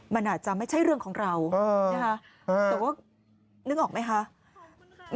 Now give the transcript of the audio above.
มันอาจจะไม่ใช่เรื่องของเราเออแต่ว่านึกออกไหมคะขอบคุณค่ะ